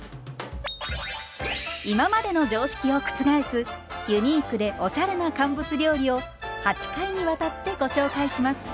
今までの常識を覆すユニークでおしゃれな乾物料理を８回にわたってご紹介します。